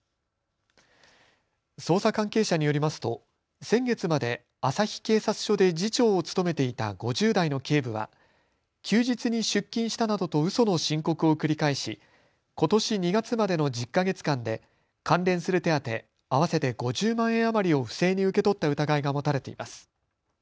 捜査関係者によりますと先月まで旭警察署で次長を務めていた５０代の警部は休日に出勤したなどとうその申告を繰り返しことし２月までの１０か月間で関連する手当、合わせて５０万円余りを不正に受け取った疑いが持たれています。